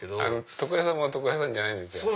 床屋さんも床屋さんじゃないんですよ。